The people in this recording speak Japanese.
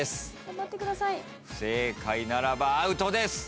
不正解ならばアウトです。